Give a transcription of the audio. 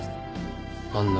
あんな